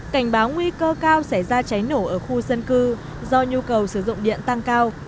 cảnh báo nguy cơ cao sẽ ra cháy nổ ở khu dân cư do nhu cầu sử dụng điện tăng cao